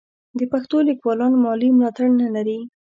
د پښتو لیکوالان مالي ملاتړ نه لري.